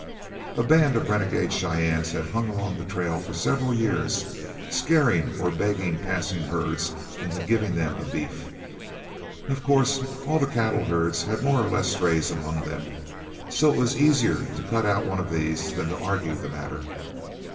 A band of renegade Cheyennes had hung along the trail for several years, scaring or begging passing herds into giving them a beef. Of course all the cattle herds had more or less strays among them, so it was easier to cut out one of these than to argue the matter.